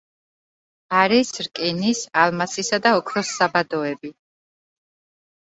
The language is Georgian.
არის რკინის, ალმასისა და ოქროს საბადოები.